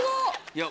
いや。